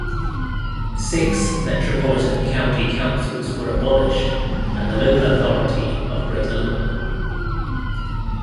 Six metropolitan county councils were abolished and the local authority of Greater London.